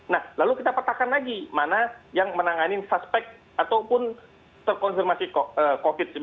nah lalu kita petakan lagi mana yang menanganin suspek ataupun terkonfirmasi covid sembilan belas